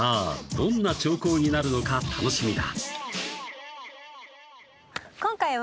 どんな釣行になるのか楽しみだ